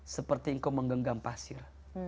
seperti kau menggenggam pasir